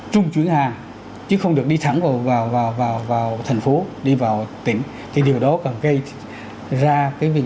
trung chuyển hàng chứ không được đi thẳng vào thành phố đi vào tỉnh thì điều đó càng gây ra cái việc